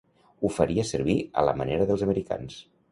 Ho faria servir a la manera dels americans.